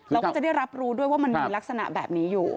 เราก็จะได้รับรู้ด้วยว่ามันมีลักษณะแบบนี้อยู่